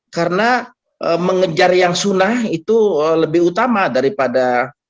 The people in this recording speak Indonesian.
karena mengejar yang sunnah itu lebih utama daripada